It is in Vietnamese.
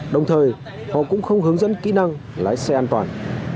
đồng thời họ cũng không hướng dẫn kỹ năng lái xe an toàn